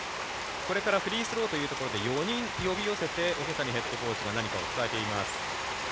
これからフリースローというところで４人、呼び寄せて桶谷ヘッドコーチが何かを伝えています。